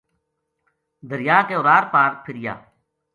دریا کے اُرار پار پھِریا